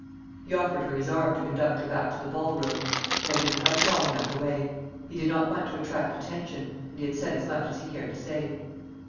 He offered her his arm to conduct her back to the ball room; they had been quite long enough away. He did not want to attract attention; and he had said as much as he cared to say.